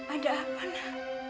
ada apa nek